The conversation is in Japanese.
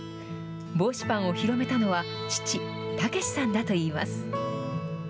ぼうしパンを広めたのは、父、武士さんだといいます。